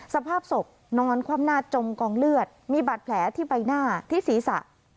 สภาพศพนอนคว่ำหน้าจมกองเลือดมีบาดแผลที่ใบหน้าที่ศีรษะ